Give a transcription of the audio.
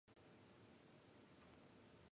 使用不可。